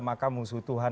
makam musuh tuhan